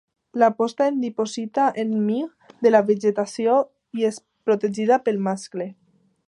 La posta es diposita enmig de la vegetació i és protegida pel mascle.